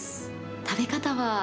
食べ方は？